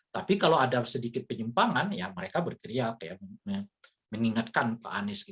tapi kalau ada sedikit penyempangan mereka berteriak mengingatkan pak anies